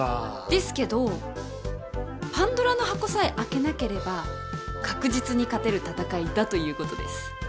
ですけどパンドラの箱さえ開けなければ確実に勝てる戦いだということです。